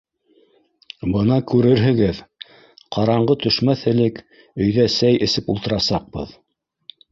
Бына күрерһегеҙ, ҡараңғы төшмәҫ элек өйҙә сәй эсеп ултырасаҡбыҙ.